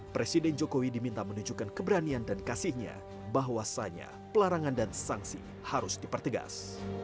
presiden jokowi diminta menunjukkan keberanian dan kasihnya bahwasannya pelarangan dan sanksi harus dipertegas